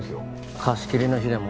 貸し切りの日でも？